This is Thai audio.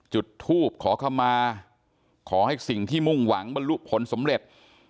จุดทูบขอคำมาขอให้สิ่งที่มุ่งหวังบรรลุผลสำเร็จ